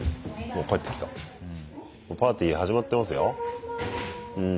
もうパーティー始まってますよ。